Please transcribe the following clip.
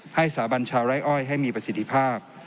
สาบัญชาวไร่อ้อยให้มีประสิทธิภาพ